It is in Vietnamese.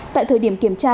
tại thời điểm kiểm tra